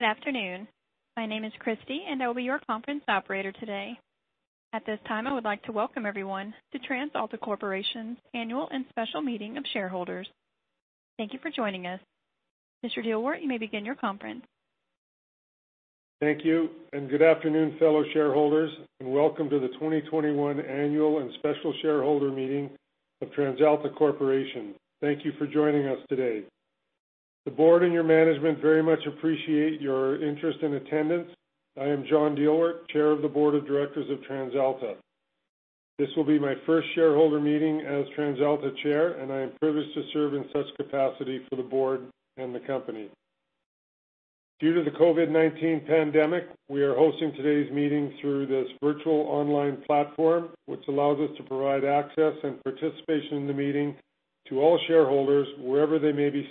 Good afternoon. My name is Christy, and I'll be your conference operator today. At this time, I would like to welcome everyone to TransAlta Corporation's Annual and Special Meeting of Shareholders. Thank you for joining us. Mr. Dielwart, you may begin your conference. Thank you and good afternoon, fellow shareholders, and welcome to the 2021 Annual and Special Shareholder Meeting of TransAlta Corporation. Thank you for joining us today. The Board and your Management very much appreciate your interest and attendance. I am John Dielwart, Chair of the Board of Directors of TransAlta. This will be my first shareholder meeting as TransAlta Chair, and I am privileged to serve in such capacity for the Board and the Company. Due to the COVID-19 pandemic, we are hosting today's meeting through this virtual online platform, which allows us to provide access and participation in the meeting to all shareholders wherever they may be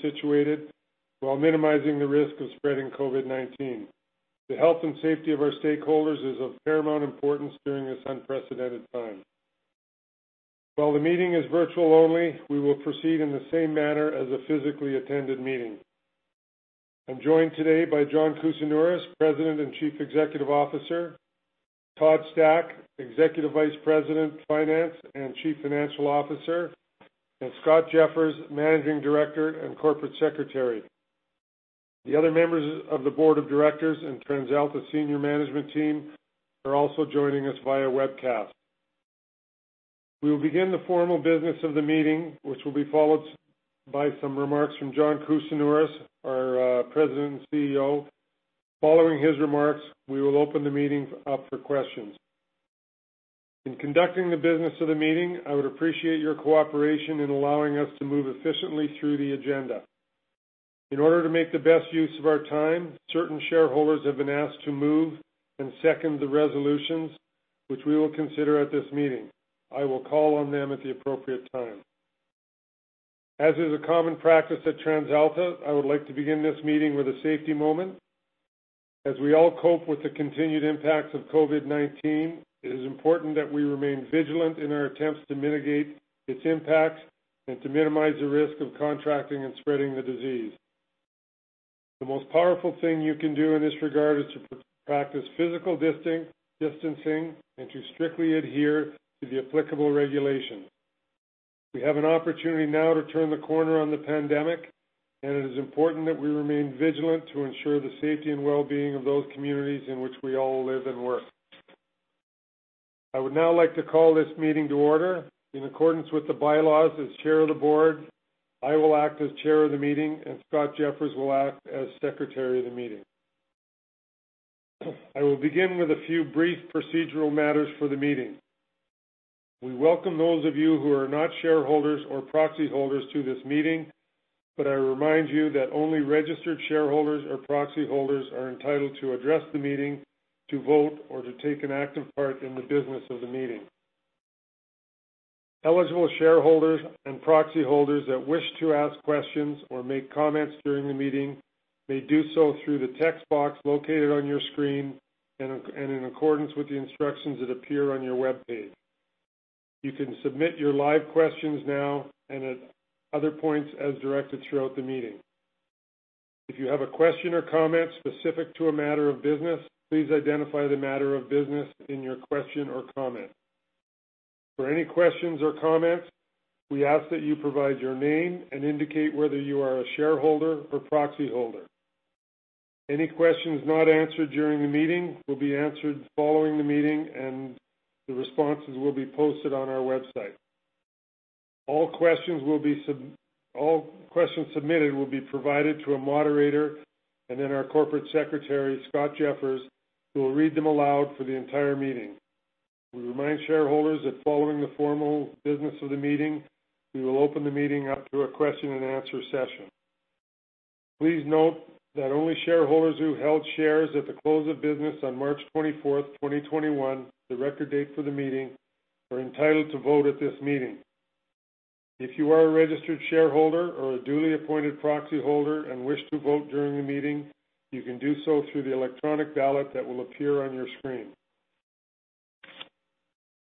situated, while minimizing the risk of spreading COVID-19. The health and safety of our stakeholders is of paramount importance during this unprecedented time. While the meeting is virtual only, we will proceed in the same manner as a physically attended meeting. I'm joined today by John Kousinioris, President and Chief Executive Officer, Todd Stack, Executive Vice President, Finance and Chief Financial Officer, and Scott Jeffers, Managing Director and Corporate Secretary. The other members of the Board of Directors and TransAlta Senior Management Team are also joining us via webcast. We will begin the formal business of the meeting, which will be followed by some remarks from John Kousinioris, our President and CEO. Following his remarks, we will open the meeting up for questions. In conducting the business of the meeting, I would appreciate your cooperation in allowing us to move efficiently through the agenda. In order to make the best use of our time, certain shareholders have been asked to move and second the resolutions, which we will consider at this meeting. I will call on them at the appropriate time. As is a common practice at TransAlta, I would like to begin this meeting with a safety moment. As we all cope with the continued impacts of COVID-19, it is important that we remain vigilant in our attempts to mitigate its impacts and to minimize the risk of contracting and spreading the disease. The most powerful thing you can do in this regard is to practice physical distancing and to strictly adhere to the applicable regulations. We have an opportunity now to turn the corner on the pandemic, and it is important that we remain vigilant to ensure the safety and well-being of those communities in which we all live and work. I would now like to call this meeting to order. In accordance with the bylaws, as Chair of the Board, I will act as Chair of the meeting, and Scott Jeffers will act as Secretary of the meeting. I will begin with a few brief procedural matters for the meeting. We welcome those of you who are not shareholders or proxy holders to this meeting, but I remind you that only registered shareholders or proxy holders are entitled to address the meeting, to vote, or to take an active part in the business of the meeting. Eligible shareholders and proxy holders that wish to ask questions or make comments during the meeting may do so through the text box located on your screen and in accordance with the instructions that appear on your webpage. You can submit your live questions now and at other points as directed throughout the meeting. If you have a question or comment specific to a matter of business, please identify the matter of business in your question or comment. For any questions or comments, we ask that you provide your name and indicate whether you are a shareholder or proxy holder. Any questions not answered during the meeting will be answered following the meeting, and the responses will be posted on our website. All questions submitted will be provided to a moderator and then our Corporate Secretary, Scott Jeffers, who will read them aloud for the entire meeting. We remind shareholders that following the formal business of the meeting, we will open the meeting up to a question and answer session. Please note that only shareholders who held shares at the close of business on March 24th, 2021, the record date for the meeting, are entitled to vote at this meeting. If you are a registered shareholder or a duly appointed proxy holder and wish to vote during the meeting, you can do so through the electronic ballot that will appear on your screen.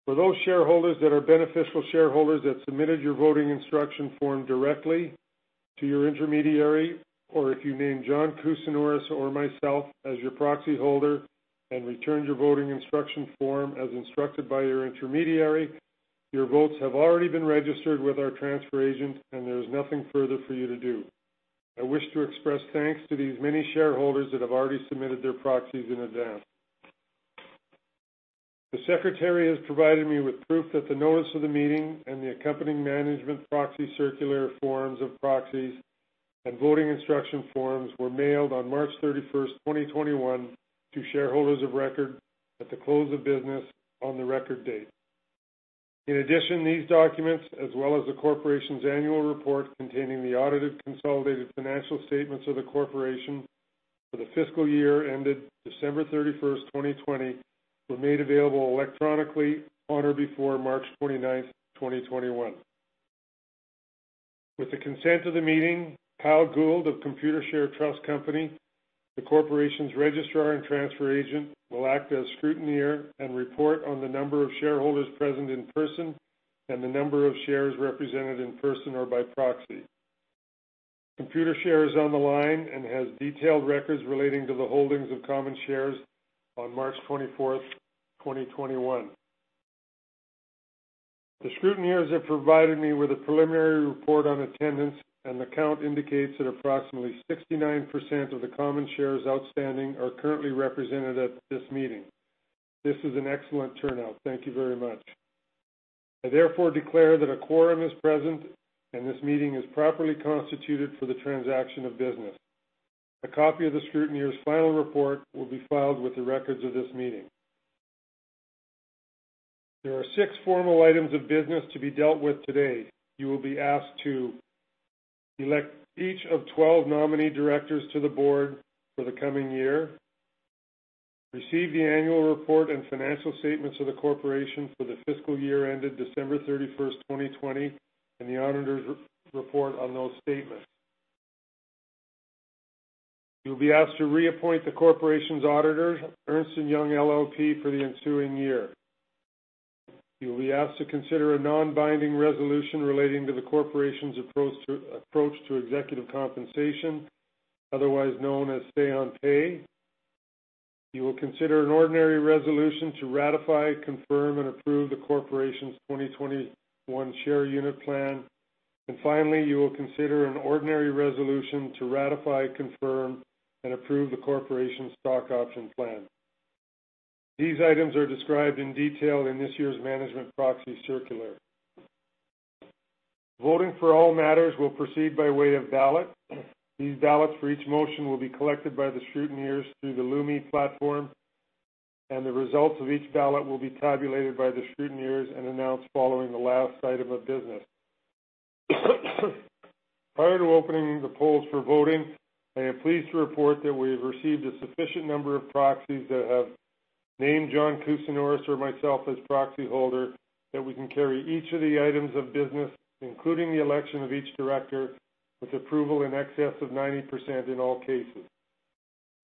For those shareholders that are beneficial shareholders that submitted your voting instruction form directly to your intermediary, or if you named John Kousinioris or myself as your proxy holder and returned your voting instruction form as instructed by your intermediary, your votes have already been registered with our transfer agent, and there is nothing further for you to do. I wish to express thanks to these many shareholders that have already submitted their proxies in advance. The Secretary has provided me with proof that the notice of the meeting and the accompanying Management Proxy Circular forms of proxies and voting instruction forms were mailed on March 31st, 2021, to shareholders of record at the close of business on the record date. In addition, these documents, as well as the Corporation's Annual Report containing the audited consolidated financial statements of the Corporation for the fiscal year ended December 31st, 2020, were made available electronically on or before March 29th, 2021. With the consent of the meeting, Kyle Gould of Computershare Trust Company, the Corporation's Registrar and Transfer Agent, will act as scrutineer and report on the number of shareholders present in person and the number of shares represented in person or by proxy. Computershare is on the line and has detailed records relating to the holdings of common shares on March 24th, 2021. The scrutineers have provided me with a preliminary report on attendance, and the count indicates that approximately 69% of the common shares outstanding are currently represented at this meeting. This is an excellent turnout. Thank you very much. I therefore declare that a quorum is present, and this meeting is properly constituted for the transaction of business. A copy of the scrutineer's final report will be filed with the records of this meeting. There are six formal items of business to be dealt with today. You will be asked to elect each of 12 nominee Directors to the board for the coming year, receive the annual report and financial statements of the corporation for the fiscal year ended December 31st, 2020, and the auditor's report on those statements. You will be asked to reappoint the corporation's auditor, Ernst & Young LLP, for the ensuing year. You will be asked to consider a non-binding resolution relating to the corporation's approach to executive compensation, otherwise known as say on pay. You will consider an ordinary resolution to ratify, confirm, and approve the corporation's 2021 share unit plan. Finally, you will consider an ordinary resolution to ratify, confirm, and approve the corporation's stock option plan. These items are described in detail in this year's Management Proxy Circular. Voting for all matters will proceed by way of ballot. These ballots for each motion will be collected by the scrutineers through the Lumi Platform, and the results of each ballot will be tabulated by the scrutineers and announced following the last item of business. Prior to opening the polls for voting, I am pleased to report that we have received a sufficient number of proxies that have named John Kousinioris or myself as proxy holder that we can carry each of the items of business, including the election of each Director, with approval in excess of 90% in all cases.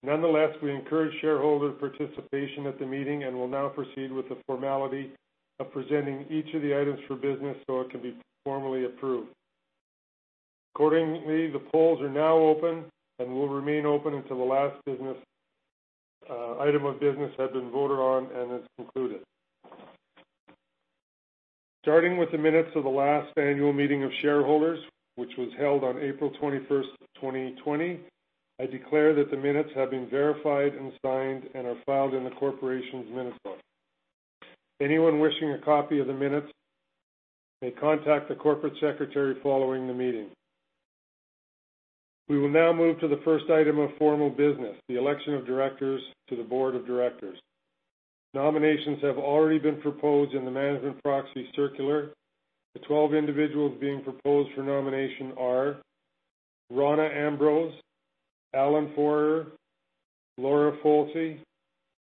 Nonetheless, we encourage shareholder participation at the meeting and will now proceed with the formality of presenting each of the items for business so it can be formally approved. Accordingly, the polls are now open and will remain open until the last item of business has been voted on and is concluded. Starting with the minutes of the last Annual Meeting of Shareholders, which was held on April 21st, 2020, I declare that the minutes have been verified and signed and are filed in the Corporation's minutes book. Anyone wishing a copy of the minutes may contact the Corporate Secretary following the meeting. We will now move to the first item of formal business, the election of Directors to the Board of Directors. Nominations have already been proposed in the Management Proxy Circular. The 12 individuals being proposed for nomination are Rona Ambrose, Alan Fohrer, Laura Folse,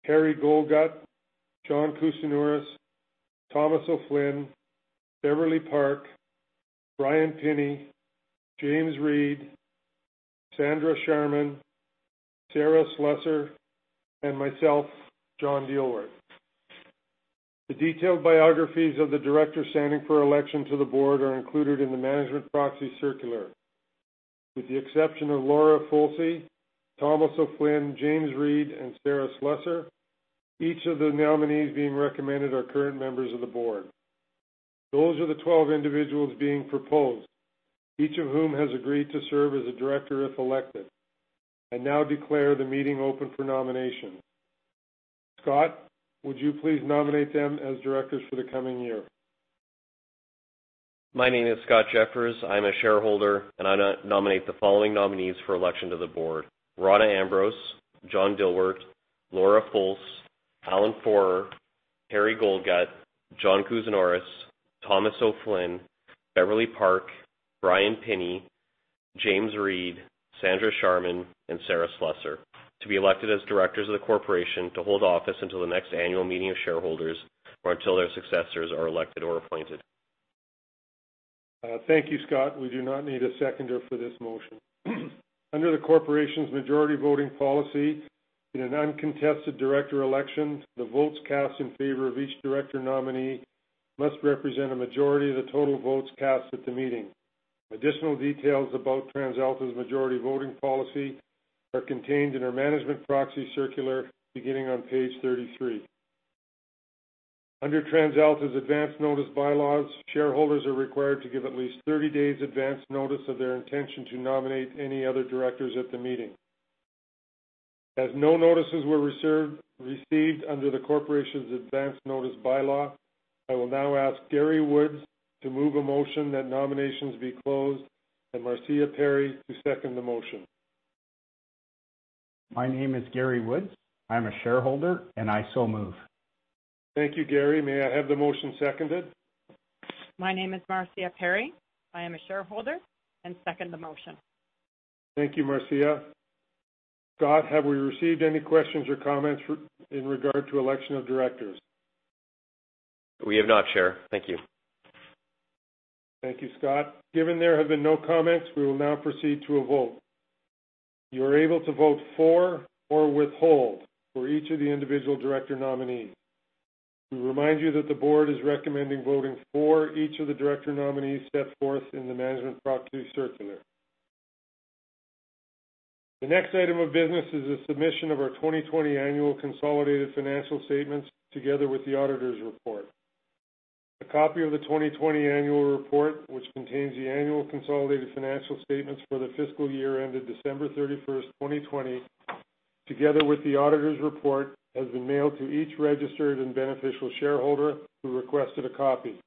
Harry Goldgut, John Kousinioris, Thomas O'Flynn, Beverlee Park, Bryan Pinney, James Reid, Sandra Sharman, Sarah Slusser, and myself, John Dielwart. The detailed biographies of the Directors standing for election to the Board are included in the Management Proxy Circular. With the exception of Laura Folse, Thomas O'Flynn, James Reid, and Sarah Slusser, each of the nominees being recommended are current members of the Board. Those are the 12 individuals being proposed, each of whom has agreed to serve as a Director, if elected. I now declare the meeting open for nominations. Scott, would you please nominate them as Directors for the coming year? My name is Scott Jeffers. I'm a shareholder, and I nominate the following nominees for election to the Board, Rona Ambrose, John Dielwart, Laura Folse, Alan Fohrer, Harry Goldgut, John Kousinioris, Thomas O'Flynn, Beverlee Park, Bryan Pinney, James Reid, Sandra Sharman, and Sarah Slusser, to be elected as Directors of the Corporation to hold office until the next Annual Meeting of shareholders or until their successors are elected or appointed. Thank you, Scott. We do not need a seconder for this motion. Under the Corporation's majority voting policy, in an uncontested Director election, the votes cast in favor of each Director nominee must represent a majority of the total votes cast at the meeting. Additional details about TransAlta's majority voting policy are contained in our Management Proxy Circular beginning on page 33. Under TransAlta's advance notice bylaws, shareholders are required to give at least 30 days advance notice of their intention to nominate any other Directors at the meeting. As no notices were received under the Corporation's advance notice bylaw, I will now ask Gary Woods to move a motion that nominations be closed and Marcia Perry to second the motion. My name is Gary Woods. I'm a Shareholder, and I so move. Thank you, Gary. May I have the motion seconded? My name is Marcia Perry. I am a Shareholder and second the motion. Thank you, Marcia. Scott, have we received any questions or comments in regard to election of Directors? We have not, Chair. Thank you. Thank you, Scott. Given there have been no comments, we will now proceed to a vote. You are able to vote for or withhold for each of the individual Director nominees. We remind you that the Board is recommending voting for each of the Director nominees set forth in the Management Proxy Circular. The next item of business is the submission of our 2020 Annual Consolidated Financial Statements together with the Auditor's Report. A copy of the 2020 Annual Report, which contains the Annual Consolidated Financial Statements for the fiscal year ended December 31st, 2020, together with the Auditor's Report, has been mailed to each registered and beneficial shareholder who requested a copy.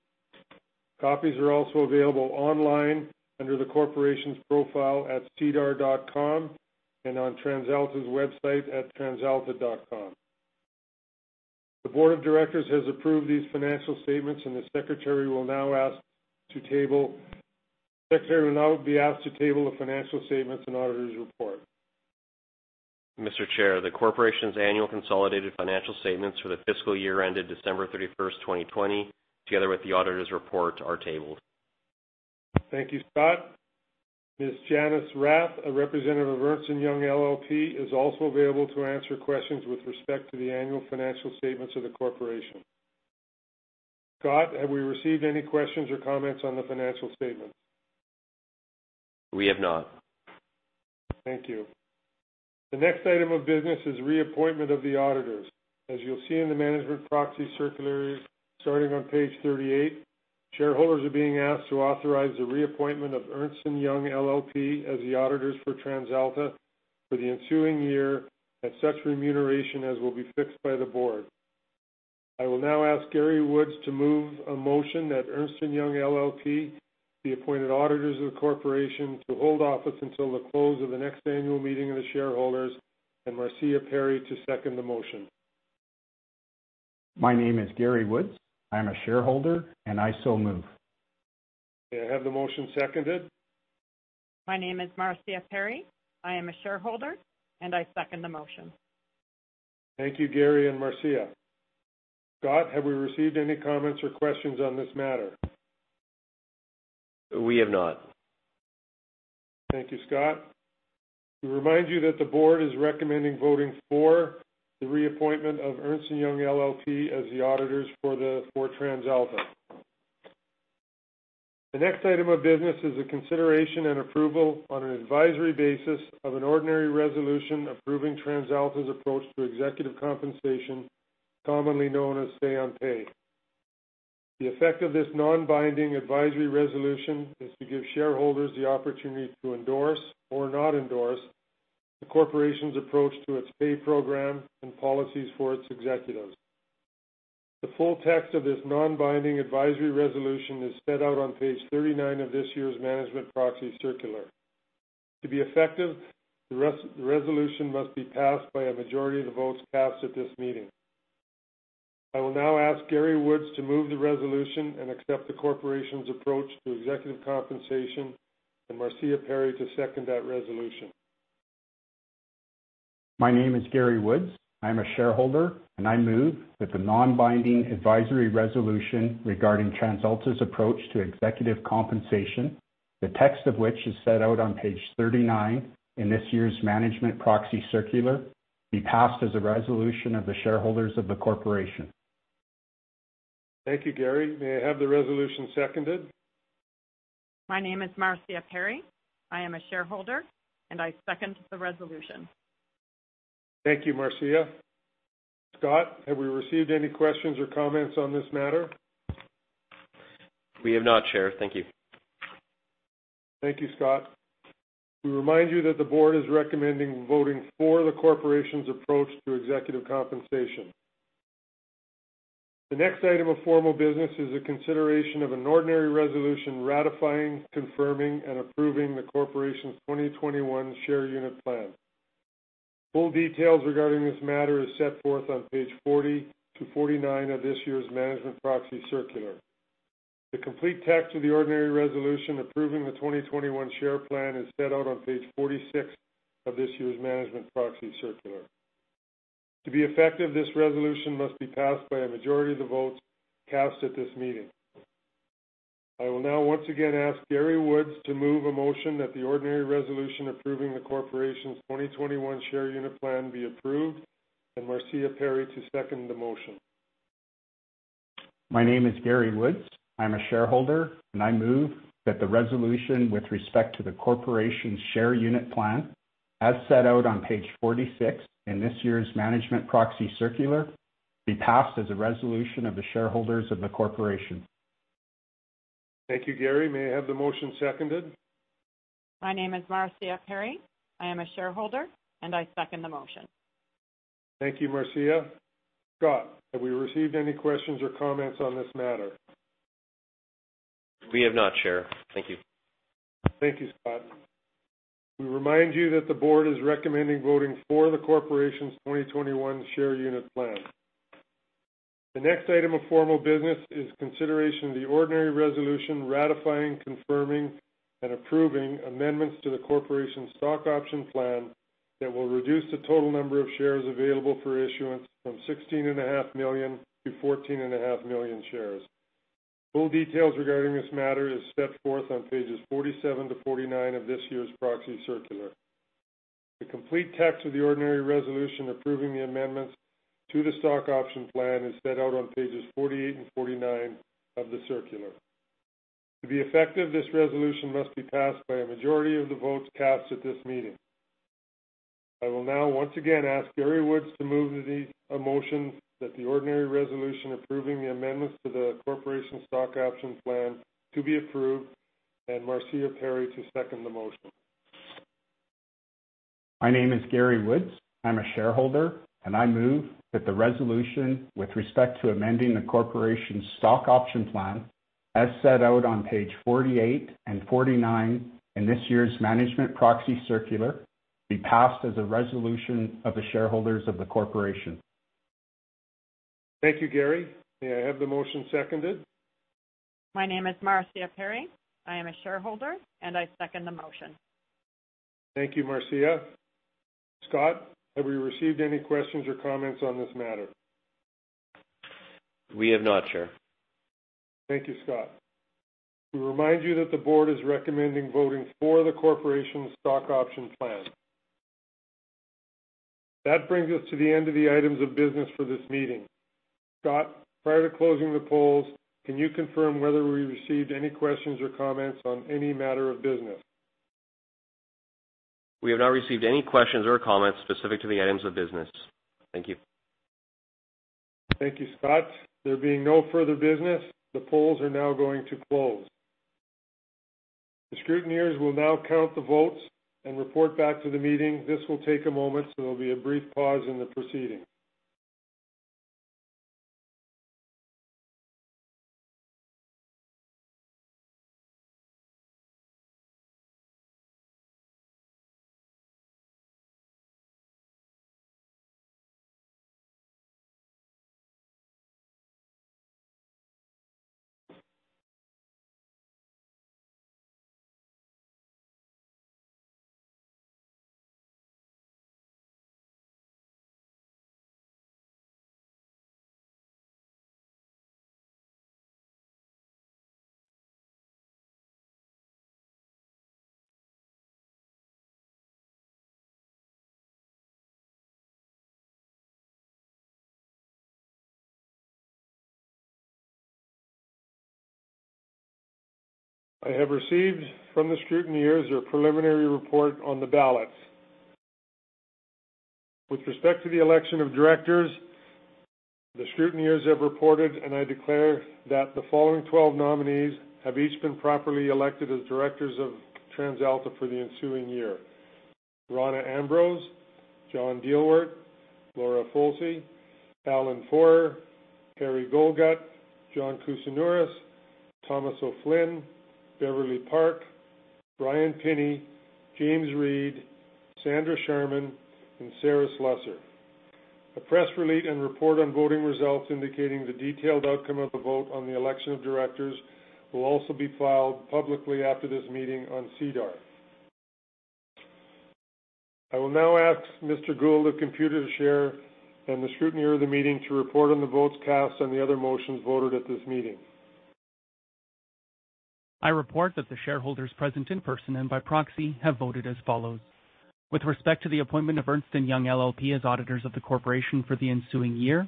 Copies are also available online under the Corporation's profile at SEDAR.com And on TransAlta's website at transalta.com. The Board of Directors has approved these financial statements, and the Secretary will now be asked to table the financial statements and auditor's report. Mr. Chair, the Corporation's annual consolidated financial statements for the fiscal year ended December 31st, 2020, together with the auditor's report, are tabled. Thank you, Scott. Ms. Janice Rath, a representative of Ernst & Young LLP, is also available to answer questions with respect to the annual financial statements of the corporation. Scott, have we received any questions or comments on the financial statement? We have not. Thank you. The next item of business is reappointment of the auditors. As you'll see in the Management Proxy Circular, starting on page 38, shareholders are being asked to authorize the reappointment of Ernst & Young LLP as the auditors for TransAlta for the ensuing year at such remuneration as will be fixed by the Board. I will now ask Gary Woods to move a motion that Ernst & Young LLP be appointed auditors of the Corporation to hold office until the close of the next annual meeting of the shareholders, and Marcia Perry to second the motion. My name is Gary Woods. I'm a Shareholder, and I so move. May I have the motion seconded? My name is Marcia Perry. I am a Shareholder, and I second the motion. Thank you, Gary and Marcia. Scott, have we received any comments or questions on this matter? We have not. Thank you, Scott. We remind you that the Board is recommending voting for the reappointment of Ernst & Young LLP as the auditors for TransAlta. The next item of business is a consideration and approval on an advisory basis of an ordinary resolution approving TransAlta's approach to executive compensation, commonly known as Say-on-Pay. The effect of this non-binding advisory resolution is to give shareholders the opportunity to endorse or not endorse the Corporation's approach to its pay program and policies for its executives. The full text of this non-binding advisory resolution is set out on page 39 of this year's Management Proxy Circular. To be effective, the resolution must be passed by a majority of the votes cast at this meeting. I will now ask Gary Woods to move the resolution and accept the Corporation's approach to executive compensation, and Marcia Perry to second that resolution. My name is Gary Woods. I'm a Shareholder, and I move that the non-binding advisory resolution regarding TransAlta's approach to executive compensation, the text of which is set out on page 39 in this year's Management Proxy Circular, be passed as a resolution of the shareholders of the corporation. Thank you, Gary. May I have the resolution seconded? My name is Marcia Perry. I am a Shareholder, and I second the resolution. Thank you, Marcia. Scott, have we received any questions or comments on this matter? We have not, Chair. Thank you. Thank you, Scott. We remind you that the Board is recommending voting for the Corporation's approach to executive compensation. The next item of formal business is a consideration of an ordinary resolution ratifying, confirming, and approving the Corporation's 2021 Share Unit Plan. Full details regarding this matter is set forth on page 40 to 49 of this year's Management Proxy Circular. The complete text of the ordinary resolution approving the 2021 Share Plan is set out on page 46 of this year's Management Proxy Circular. To be effective, this resolution must be passed by a majority of the votes cast at this meeting. I will now once again ask Gary Woods to move a motion that the ordinary resolution approving the Corporation's 2021 Share Unit Plan be approved, and Marcia Perry to second the motion. My name is Gary Woods. I'm a Shareholder, and I move that the resolution with respect to the corporation's share unit plan, as set out on page 46 in this year's Management Proxy Circular, be passed as a resolution of the shareholders of the corporation. Thank you, Gary. May I have the motion seconded? My name is Marcia Perry. I am a Shareholder, and I second the motion. Thank you, Marcia. Scott, have we received any questions or comments on this matter? We have not, Chair. Thank you. Thank you, Scott. We remind you that the Board is recommending voting for the Corporation's 2021 Share Unit Plan. The next item of formal business is consideration of the Ordinary Resolution ratifying, confirming, and approving amendments to the Corporation's Stock Option Plan that will reduce the total number of shares available for issuance from 16.5 million-14.5 million shares. Full details regarding this matter is set forth on pages 47-49 of this year's Proxy Circular. The complete text of the Ordinary Resolution approving the amendments to the Stock Option Plan is set out on pages 48 and 49 of the Circular. To be effective, this Resolution must be passed by a majority of the votes cast at this meeting. I will now once again ask Gary Woods to move a motion that the ordinary resolution approving the amendments to the Corporation Stock Options Plan to be approved, and Marcia Perry to second the motion. My name is Gary Woods. I'm a Shareholder, and I move that the resolution with respect to amending the Corporation's Stock Option Plan, as set out on page 48 and 49 in this year's Management Proxy Circular, be passed as a resolution of the shareholders of the Corporation. Thank you, Gary. May I have the motion seconded? My name is Marcia Perry. I am a Shareholder, and I second the motion. Thank you, Marcia. Scott, have we received any questions or comments on this matter? We have not, Chair. Thank you, Scott. We remind you that the Board is recommending voting for the Corporation's Stock Option Plan. That brings us to the end of the items of business for this meeting. Scott, prior to closing the polls, can you confirm whether we received any questions or comments on any matter of business? We have not received any questions or comments specific to the items of business. Thank you. Thank you, Scott. There being no further business, the polls are now going to close. The scrutineers will now count the votes and report back to the meeting. This will take a moment, so there'll be a brief pause in the proceeding. I have received from the scrutineers their preliminary report on the ballots. With respect to the election of Directors, the scrutineers have reported, and I declare that the following 12 nominees have each been properly elected as Directors of TransAlta for the ensuing year, Rona Ambrose, John Dielwart, Laura Folse, Alan Fohrer, Harry Goldgut, John Kousinioris, Thomas O'Flynn, Beverlee Park, Bryan Pinney, James Reid, Sandra Sharman, and Sarah Slusser. A press release and report on voting results indicating the detailed outcome of the vote on the election of Directors will also be filed publicly after this meeting on SEDAR. I will now ask Mr. Gould of Computershare and the Scrutineer of the meeting to report on the votes cast on the other motions voted at this meeting. I report that the shareholders present in person and by proxy have voted as follows. With respect to the appointment of Ernst & Young LLP as auditors of the corporation for the ensuing year,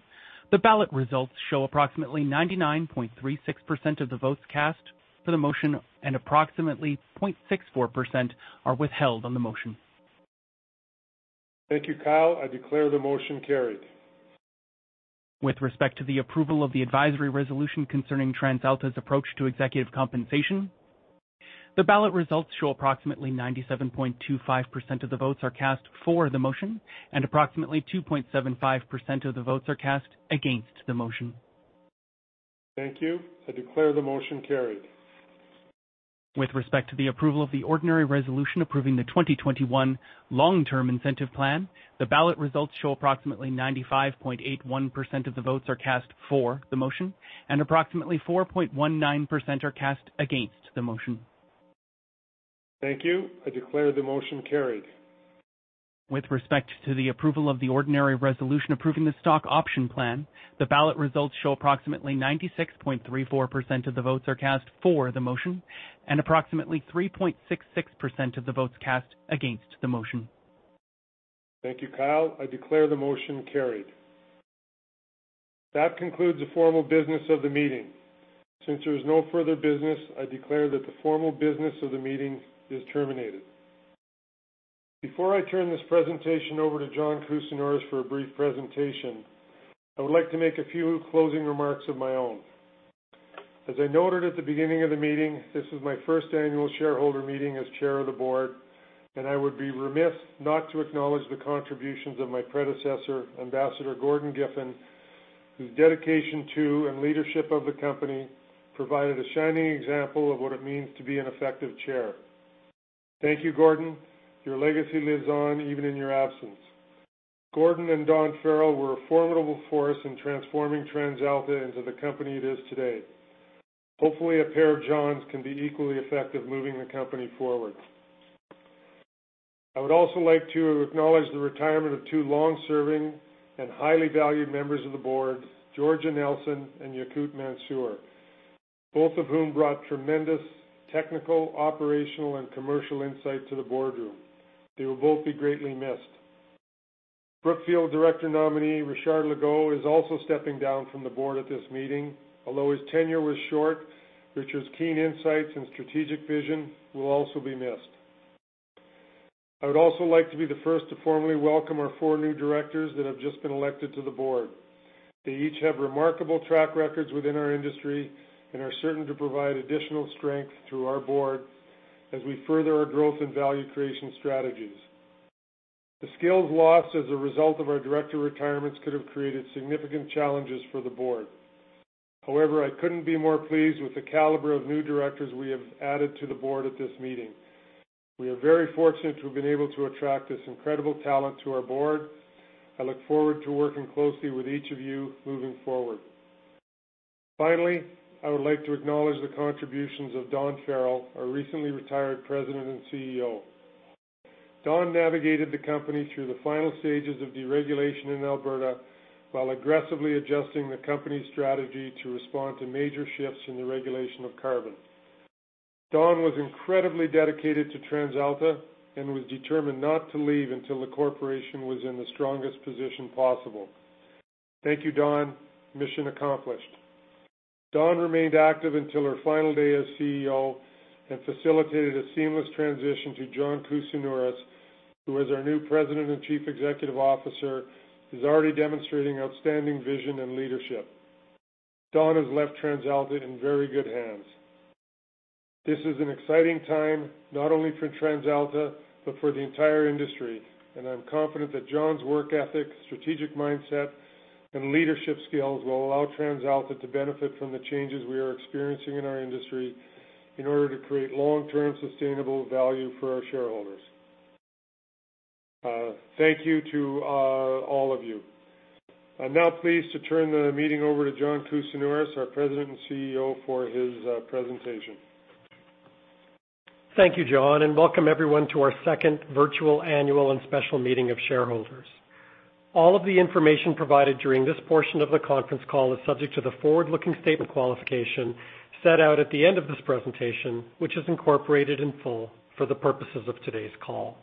the ballot results show approximately 99.36% of the votes cast for the motion and approximately 0.64% are withheld on the motion. Thank you, Kyle. I declare the motion carried. With respect to the approval of the advisory resolution concerning TransAlta's approach to executive compensation, the ballot results show approximately 97.25% of the votes are cast for the motion, and approximately 2.75% of the votes are cast against the motion. Thank you. I declare the motion carried. With respect to the approval of the ordinary resolution approving the 2021 Long-Term Incentive Plan, the ballot results show approximately 95.81% of the votes are cast for the motion, and approximately 4.19% are cast against the motion. Thank you. I declare the motion carried. With respect to the approval of the ordinary resolution approving the Stock Option Plan, the ballot results show approximately 96.34% of the votes are cast for the motion and approximately 3.66% of the votes cast against the motion. Thank you, Kyle. I declare the motion carried. That concludes the formal business of the meeting. Since there's no further business, I declare that the formal business of the meeting is terminated. Before I turn this presentation over to John Kousinioris for a brief presentation, I would like to make a few closing remarks of my own. As I noted at the beginning of the meeting, this is my first Annual Shareholder Meeting as Chair of the Board, and I would be remiss not to acknowledge the contributions of my predecessor, Ambassador Gordon Giffin, whose dedication to and leadership of the company provided a shining example of what it means to be an effective Chair. Thank you, Gordon. Your legacy lives on even in your absence. Gordon and Dawn Farrell were a formidable force in transforming TransAlta into the company it is today. Hopefully, a pair of Johns can be equally effective moving the Company forward. I would also like to acknowledge the retirement of two long-serving and highly valued members of the Board, Georgia Nelson and Yakout Mansour, both of whom brought tremendous technical, operational, and commercial insight to the boardroom. They will both be greatly missed. Brookfield Director nominee, Richard Legault, is also stepping down from the Board at this meeting. Although his tenure was short, Richard's keen insights and strategic vision will also be missed. I would also like to be the first to formally welcome our four new Directors that have just been elected to the Board. They each have remarkable track records within our industry and are certain to provide additional strength to our Board as we further our growth and value creation strategies. The skills lost as a result of our Director retirements could have created significant challenges for the board. However, I couldn't be more pleased with the caliber of new Directors we have added to the board at this meeting. We are very fortunate to have been able to attract this incredible talent to our board. I look forward to working closely with each of you moving forward. Finally, I would like to acknowledge the contributions of Dawn Farrell, our recently retired President and CEO. Dawn navigated the company through the final stages of deregulation in Alberta, while aggressively adjusting the company's strategy to respond to major shifts in the regulation of carbon. Dawn was incredibly dedicated to TransAlta and was determined not to leave until the corporation was in the strongest position possible. Thank you, Dawn. Mission accomplished. Dawn remained active until her final day as CEO and facilitated a seamless transition to John Kousinioris, who as our new President and Chief Executive Officer, is already demonstrating outstanding vision and leadership. Dawn has left TransAlta in very good hands. This is an exciting time, not only for TransAlta, but for the entire industry, and I'm confident that John's work ethic, strategic mindset, and leadership skills will allow TransAlta to benefit from the changes we are experiencing in our industry in order to create long-term sustainable value for our shareholders. Thank you to all of you. I'm now pleased to turn the meeting over to John Kousinioris, our President and CEO, for his presentation. Thank you, John. Welcome everyone to our second virtual Annual and Special Meeting of Shareholders. All of the information provided during this portion of the conference call is subject to the forward-looking statement qualification set out at the end of this presentation, which is incorporated in full for the purposes of today's call.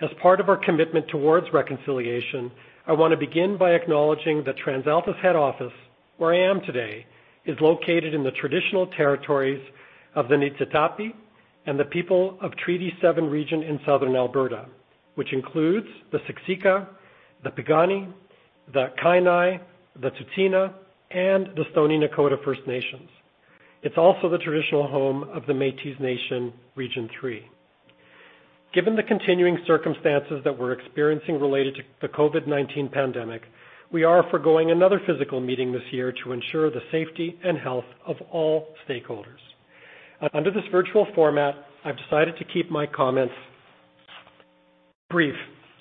As part of our commitment towards reconciliation, I want to begin by acknowledging that TransAlta's head office, where I am today, is located in the traditional territories of the Niitsitapi and the people of Treaty 7 region in southern Alberta, which includes the Siksika, the Piikani, the Kainai, the Tsuut'ina, and the Stoney Nakoda First Nations. It's also the traditional home of the Métis Nation, Region 3. Given the continuing circumstances that we're experiencing related to the COVID-19 pandemic, we are foregoing another physical meeting this year to ensure the safety and health of all stakeholders. Under this virtual format, I've decided to keep my comments brief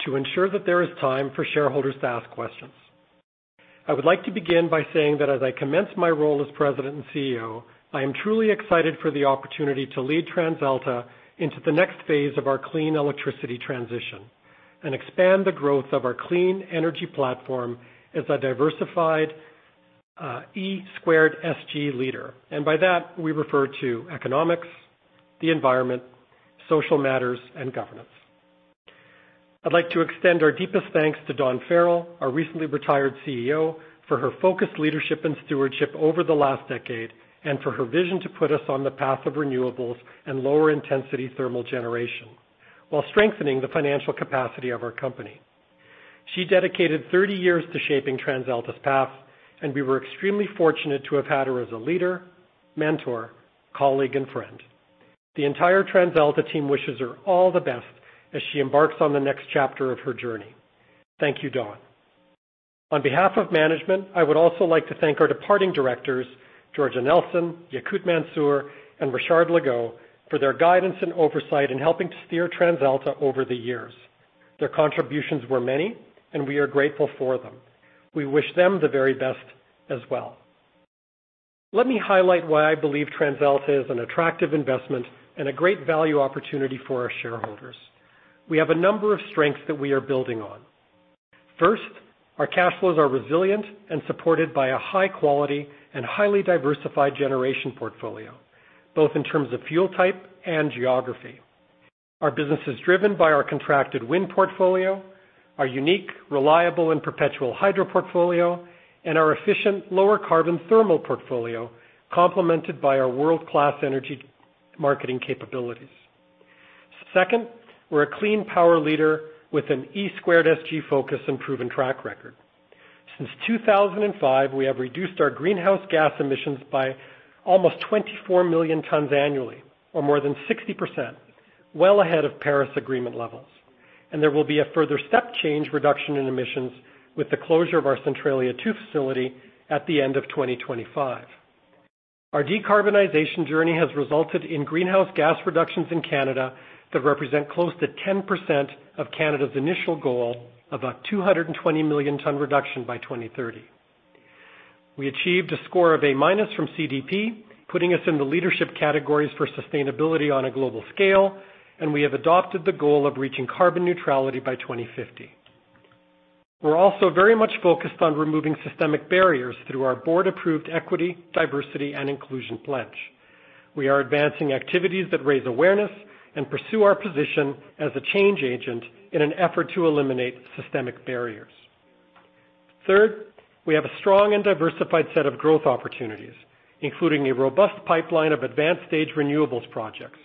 to ensure that there is time for shareholders to ask questions. I would like to begin by saying that as I commence my role as President and CEO, I am truly excited for the opportunity to lead TransAlta into the next phase of our clean electricity transition and expand the growth of our clean energy platform as a diversified E2SG leader. By that, we refer to economics, the environment, social matters, and governance. I'd like to extend our deepest thanks to Dawn Farrell, our recently retired CEO, for her focused leadership and stewardship over the last decade, and for her vision to put us on the path of renewables and lower intensity thermal generation while strengthening the financial capacity of our company. She dedicated 30 years to shaping TransAlta's path, and we were extremely fortunate to have had her as a leader, mentor, colleague, and friend. The entire TransAlta team wishes her all the best as she embarks on the next chapter of her journey. Thank you, Dawn. On behalf of management, I would also like to thank our departing Directors, Georgia Nelson, Yakout Mansour, and Richard Legault, for their guidance and oversight in helping to steer TransAlta over the years. Their contributions were many, and we are grateful for them. We wish them the very best as well. Let me highlight why I believe TransAlta is an attractive investment and a great value opportunity for our shareholders. We have a number of strengths that we are building on. First, our cash flows are resilient and supported by a high-quality and highly diversified generation portfolio, both in terms of fuel type and geography. Our business is driven by our contracted wind portfolio, our unique, reliable, and perpetual hydro portfolio, and our efficient, lower-carbon thermal portfolio complemented by our world-class energy marketing capabilities. Second, we're a clean power leader with an E2SG focus and proven track record. Since 2005, we have reduced our greenhouse gas emissions by almost 24 million tons annually, or more than 60%, well ahead of Paris Agreement levels. There will be a further step-change reduction in emissions with the closure of our Centralia 2 facility at the end of 2025. Our decarbonization journey has resulted in greenhouse gas reductions in Canada that represent close to 10% of Canada's initial goal of a 220 million ton reduction by 2030. We achieved a score of A- from CDP, putting us in the leadership categories for sustainability on a global scale, and we have adopted the goal of reaching carbon neutrality by 2050. We're also very much focused on removing systemic barriers through our Board-approved Equity, Diversity, and Inclusion Pledge. We are advancing activities that raise awareness and pursue our position as a change agent in an effort to eliminate systemic barriers. Third, we have a strong and diversified set of growth opportunities, including a robust pipeline of advanced-stage renewables projects,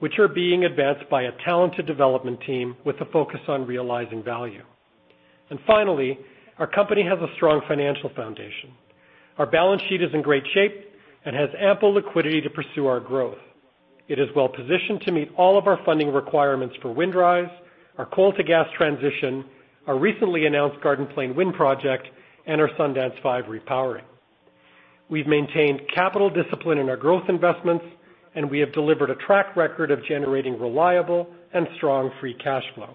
which are being advanced by a talented development team with a focus on realizing value. Finally, our company has a strong financial foundation. Our balance sheet is in great shape and has ample liquidity to pursue our growth. It is well-positioned to meet all of our funding requirements for Windrise, our coal-to-gas transition, our recently announced Garden Plain Wind Project, and our Sundance 5 repowering. We've maintained capital discipline in our growth investments, and we have delivered a track record of generating reliable and strong free cash flow.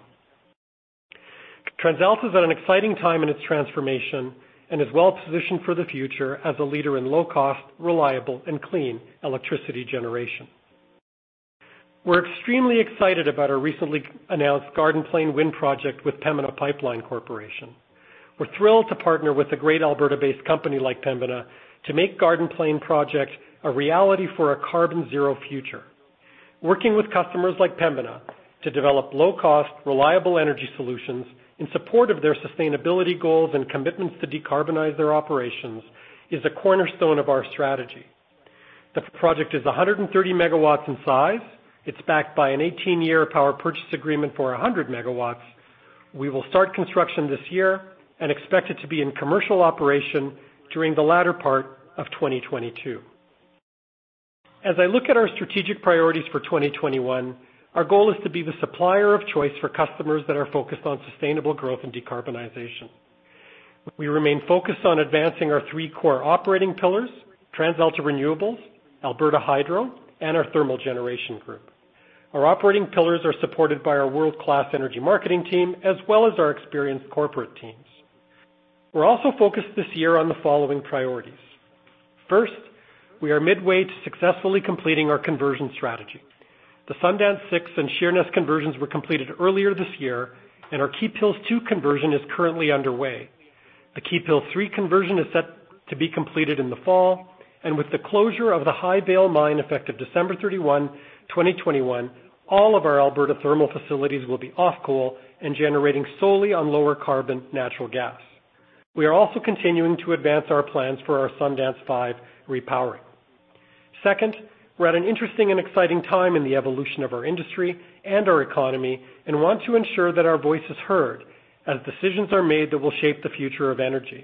TransAlta is at an exciting time in its transformation and is well-positioned for the future as a leader in low-cost, reliable, and clean electricity generation. We're extremely excited about our recently announced Garden Plain Wind Project with Pembina Pipeline Corporation. We're thrilled to partner with a great Alberta-based company like Pembina to make Garden Plain Project a reality for a carbon-zero future. Working with customers like Pembina to develop low-cost, reliable energy solutions in support of their sustainability goals and commitments to decarbonize their operations is a cornerstone of our strategy. The project is 130 MW in size. It's backed by an 18-year power purchase agreement for 100 MW. We will start construction this year and expect it to be in commercial operation during the latter part of 2022. As I look at our strategic priorities for 2021, our goal is to be the supplier of choice for customers that are focused on sustainable growth and decarbonization. We remain focused on advancing our three core operating pillars, TransAlta Renewables, Alberta Hydro, and our thermal generation group. Our operating pillars are supported by our world-class energy marketing team, as well as our experienced corporate teams. We're also focused this year on the following priorities. First, we are midway to successfully completing our conversion strategy. The Sundance 6 and Sheerness conversions were completed earlier this year, and our Keephills 2 conversion is currently underway. The Keephills 3 conversion is set to be completed in the fall, and with the closure of the Highvale Mine effective December 31, 2021, all of our Alberta thermal facilities will be off coal and generating solely on lower-carbon natural gas. We are also continuing to advance our plans for our Sundance 5 repowering. Second, we're at an interesting and exciting time in the evolution of our industry and our economy and want to ensure that our voice is heard as decisions are made that will shape the future of energy.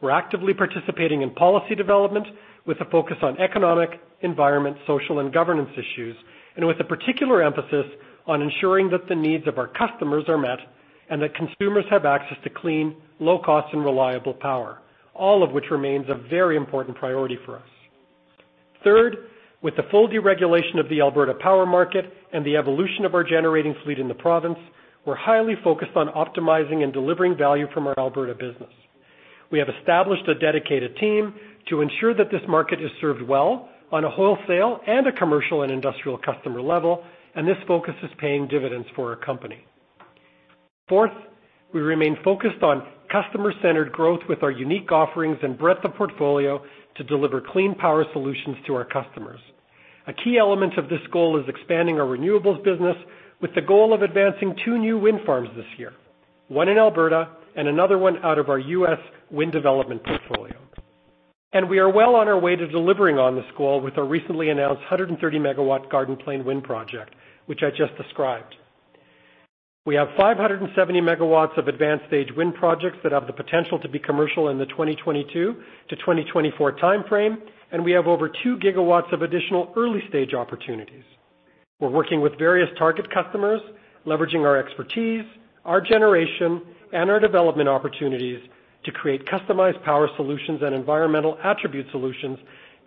We're actively participating in policy development with a focus on economic, environmental, social, and governance issues, and with a particular emphasis on ensuring that the needs of our customers are met and that consumers have access to clean, low-cost, and reliable power, all of which remains a very important priority for us. Third, with the full deregulation of the Alberta power market and the evolution of our generating fleet in the province, we're highly focused on optimizing and delivering value from our Alberta business. We have established a dedicated team to ensure that this market is served well on a wholesale and a commercial and industrial customer level, and this focus is paying dividends for our company. Fourth, we remain focused on customer-centered growth with our unique offerings and breadth of portfolio to deliver clean power solutions to our customers. A key element of this goal is expanding our renewables business with the goal of advancing two new wind farms this year, one in Alberta and another one out of our U.S. wind development portfolio. We are well on our way to delivering on this goal with our recently announced 130 MW Garden Plain Wind Project, which I just described. We have 570 MW of advanced stage wind projects that have the potential to be commercial in the 2022 to 2024 time frame, and we have over 2 GW of additional early-stage opportunities. We're working with various target customers, leveraging our expertise, our generation, and our development opportunities to create customized power solutions and environmental attribute solutions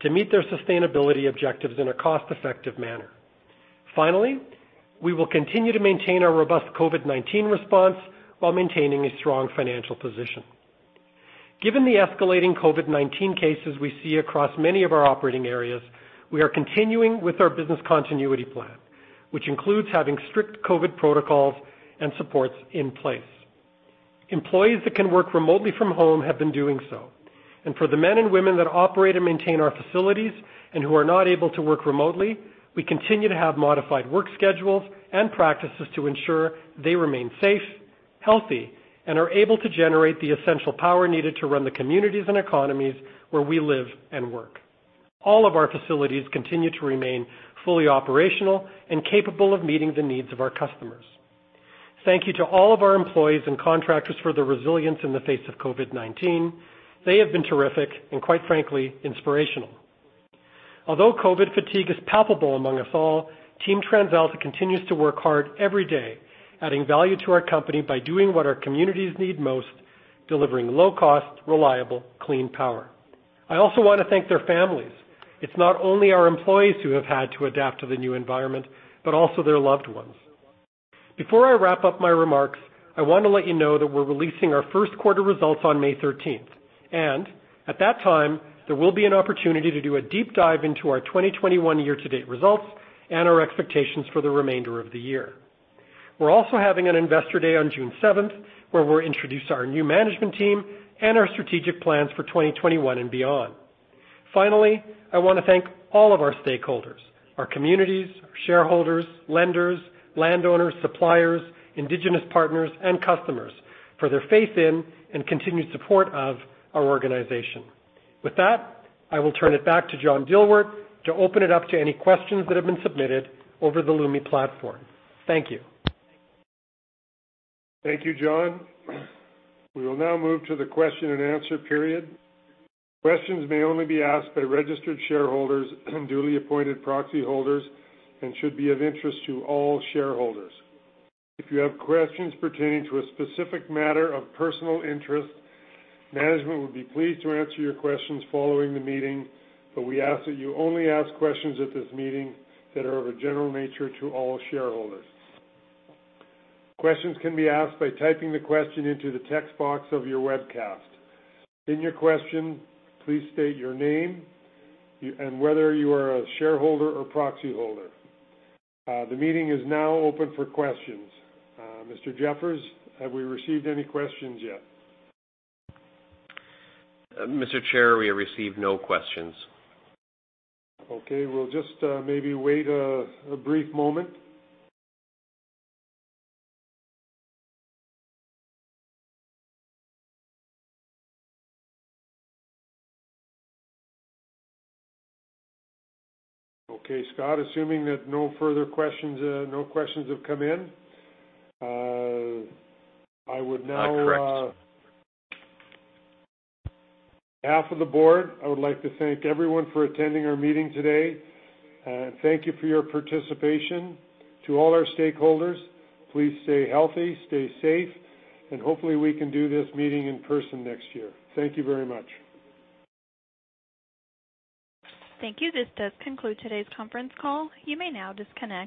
to meet their sustainability objectives in a cost-effective manner. Finally, we will continue to maintain our robust COVID-19 response while maintaining a strong financial position. Given the escalating COVID-19 cases we see across many of our operating areas, we are continuing with our business continuity plan, which includes having strict COVID protocols and supports in place. Employees that can work remotely from home have been doing so. For the men and women that operate and maintain our facilities and who are not able to work remotely, we continue to have modified work schedules and practices to ensure they remain safe, healthy, and are able to generate the essential power needed to run the communities and economies where we live and work. All of our facilities continue to remain fully operational and capable of meeting the needs of our customers. Thank you to all of our employees and contractors for their resilience in the face of COVID-19. They have been terrific and quite frankly, inspirational. Although COVID fatigue is palpable among us all, Team TransAlta continues to work hard every day, adding value to our company by doing what our communities need most, delivering low-cost, reliable, clean power. I also want to thank their families. It's not only our employees who have had to adapt to the new environment, but also their loved ones. Before I wrap up my remarks, I want to let you know that we're releasing our first quarter results on May 13th. At that time, there will be an opportunity to do a deep dive into our 2021 year-to-date results and our expectations for the remainder of the year. We're also having an Investor Day on June 7th, where we'll introduce our new management team and our strategic plans for 2021 and beyond. Finally, I want to thank all of our stakeholders, our communities, our shareholders, lenders, landowners, suppliers, Indigenous partners, and customers for their faith in and continued support of our organization. With that, I will turn it back to John Dielwart to open it up to any questions that have been submitted over the Lumi Platform. Thank you. Thank you, John. We will now move to the question and answer period. Questions may only be asked by registered shareholders, duly appointed proxy holders, and should be of interest to all shareholders. If you have questions pertaining to a specific matter of personal interest, management would be pleased to answer your questions following the meeting, but we ask that you only ask questions at this meeting that are of a general nature to all shareholders. Questions can be asked by typing the question into the text box of your webcast. In your question, please state your name and whether you are a shareholder or proxy holder. The meeting is now open for questions. Mr. Jeffers, have we received any questions yet? Mr. Chair, we have received no questions. Okay. We'll just maybe wait a brief moment. Okay, Scott, assuming that no further questions have come in. That's correct. On behalf of the Board, I would like to thank everyone for attending our meeting today. Thank you for your participation. To all our stakeholders, please stay healthy, stay safe, and hopefully we can do this meeting in person next year. Thank you very much. Thank you. This does conclude today's conference call. You may now disconnect.